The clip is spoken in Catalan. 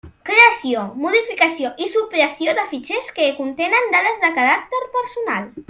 Creació, modificació i supressió de fitxers que contenen dades de caràcter personal.